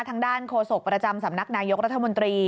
ทางด้านโฆษกประจำสำนักนายกรัฐมนตรี